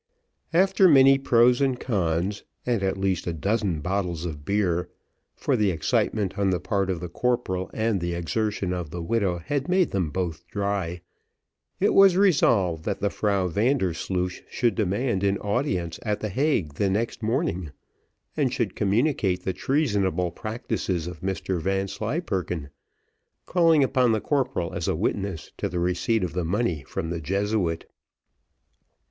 After many pros and cons, and at least a dozen bottles of beer for the excitement on the part of the corporal, and the exertion of the widow, had made them both dry it was resolved that the Frau Vandersloosh should demand an audience at the Hague the next morning, and should communicate the treasonable practices of Mr Vanslyperken, calling upon the corporal as a witness to the receipt of the money from the Jesuit.